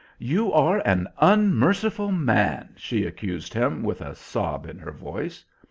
"You are an unmerciful man!" she accused him, with a sob in her voice.